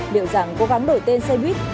liệu rằng cố gắng đổi tên xe bít